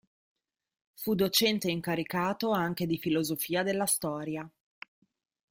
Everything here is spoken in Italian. Fu docente incaricato anche di Filosofia della storia.